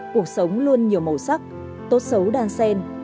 cuộc sống luôn nhiều màu sắc tốt xấu đan sen